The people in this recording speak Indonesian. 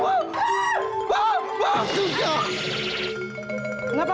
kenapa pakaan kamu jen